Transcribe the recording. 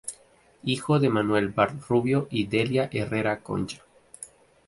Hijo de Manuel Bart Rubio y Delia Herrera Concha.